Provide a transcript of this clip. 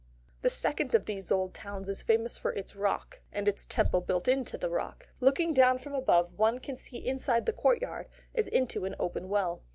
The second of these old towns is famous for its rock, and its Temple built into the rock. Looking down from above one can see inside the courtyard as into an open well.